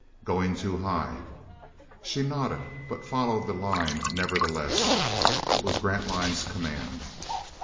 "Going too high." She nodded, but followed the line nevertheless. It was Grantline's command.